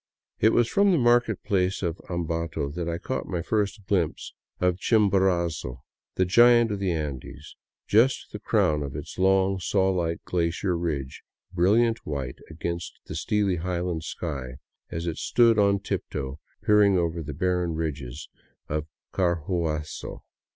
It was from the market place of Ambato that I caught my first glimpse of Chimborazo, the giant of the Andes, just the crown of its long, saw like glacier ridge brilliant white against the steely highland sky, as it stood on tiptoe peering over the barren ridges of Carhuairazo.